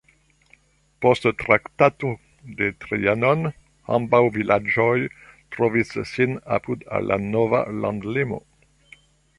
Post Traktato de Trianon ambaŭ vilaĝoj trovis sin apud al la nova landlimo.